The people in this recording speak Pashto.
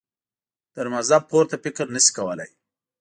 تر مذهب پورته فکر نه شي کولای.